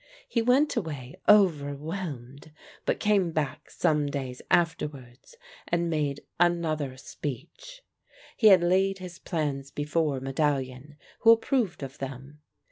He went away over whelmed, but came back some days afterwards and made another speech. He had laid his plans before Medallion, who approved of them.